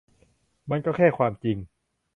มันก็แค่ความจริง